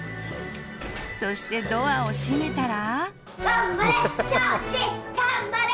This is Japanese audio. そしてドアを閉めたら。